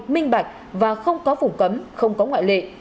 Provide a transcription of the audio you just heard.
minh bạch và không có phủ cấm không có ngoại lệ